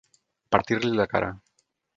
Partir-li la cara.